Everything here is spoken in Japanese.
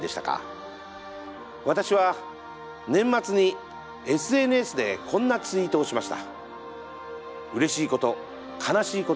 私は年末にＳＮＳでこんなツイートをしました。